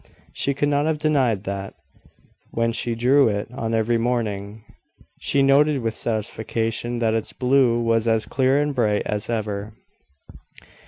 She could not have denied, that, when she drew it on every morning, she noted with satisfaction that its blue was as clear and bright as ever.